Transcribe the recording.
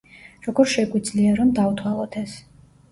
როგორ შეგვიძლია, რომ დავთვალოთ ეს?